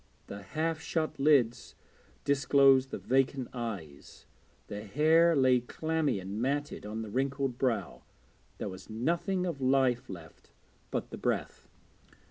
The half shut lids disclosed the vacant eyes; the hair lay clammy and matted on the wrinkled brow; there was nothing of life left but the breath.